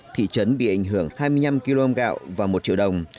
thị trấn bị ảnh hưởng hai mươi năm kg gạo và một triệu đồng